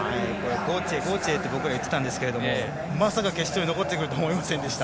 ゴーティエ！って私たち言ってたんですがまさか、決勝に残ってくるとは思いませんでした。